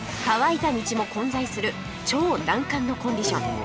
乾いた道も混在する超難関のコンディション